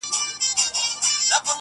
مينه كي هېره_